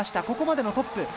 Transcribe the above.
ここまでのトップ。